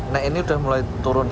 nah ini sudah mulai turun